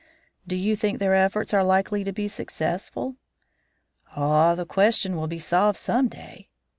"Do you think their efforts are likely to be successful?" "Oh, the question will be solved some day."